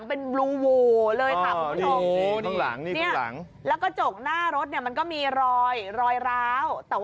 บอกกระจกหน้าเมื่อกี้เห็นแล้ว